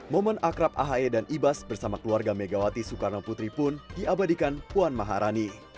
momen akrab ahae dan ibas bersama keluarga megawati soekarno putri pun diabadikan puan maharani